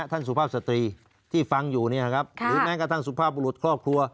สุภาพสตรีที่ฟังอยู่เนี่ยนะครับหรือแม้กระทั่งสุภาพบุรุษครอบครัว